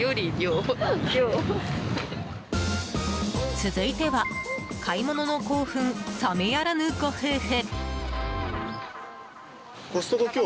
続いては買い物の興奮冷めやらぬご夫婦。